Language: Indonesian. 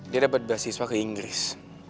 dia dapat beasiswa ke inggris